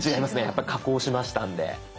やっぱ加工しましたんで。